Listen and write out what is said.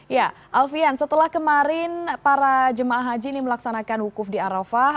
ya alfian setelah kemarin para jemaah haji ini melaksanakan wukuf di arafah